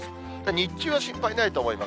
日中は心配ないと思います。